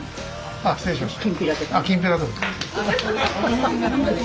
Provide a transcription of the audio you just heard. あっ失礼しました。